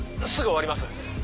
すぐ終わります！